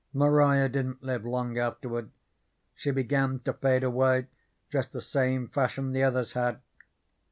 Maria didn't live long afterward. She began to fade away just the same fashion the others had.